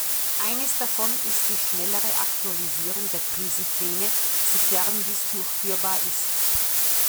Eines davon ist die schnellere Aktualisierung der Krisenpläne, sofern dies durchführbar ist.